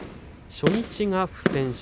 初日は不戦勝。